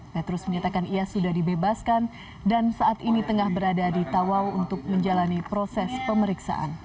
petrus menyatakan ia sudah dibebaskan dan saat ini tengah berada di tawau untuk menjalani proses pemeriksaan